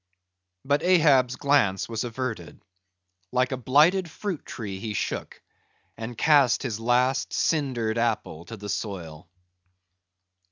But Ahab's glance was averted; like a blighted fruit tree he shook, and cast his last, cindered apple to the soil.